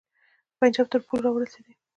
پنجاب تر پولو را ورسېدی.